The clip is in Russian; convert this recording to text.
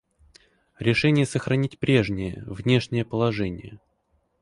Решение сохранить прежнее внешнее положение.